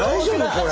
これ。